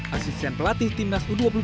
asisten pelatih timnas u dua puluh tiga indonesia